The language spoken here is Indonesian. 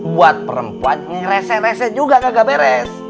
buat perempuan yang rese rese juga kagak beres